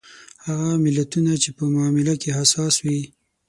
هغه ملتونه چې په معامله کې حساس وي.